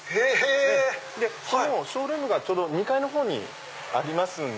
そのショールームが２階の方にありますんで。